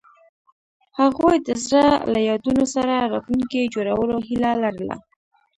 هغوی د زړه له یادونو سره راتلونکی جوړولو هیله لرله.